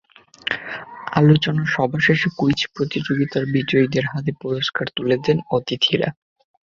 আলোচনা সভা শেষে কুইজ প্রতিযোগিতায় বিজয়ীদের হাতে পুরস্কার তুলে দেন অতিথিরা।